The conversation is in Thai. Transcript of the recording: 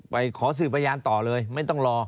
ขอสื่อพยานต่อเลยไม่ต้องรอ